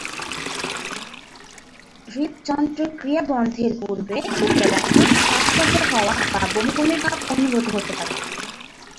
হৃদযন্ত্রের ক্রিয়া বন্ধের পূর্বে বুকে ব্যথা, শ্বাসকষ্ট হওয়া বা বমি বমি ভাব অনুভূত হতে পারে।